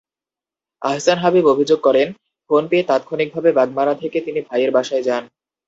আহসান হাবিব অভিযোগ করেন, ফোন পেয়ে তাৎক্ষণিকভাবে বাগমারা থেকে তিনি ভাইয়ের বাসায় যান।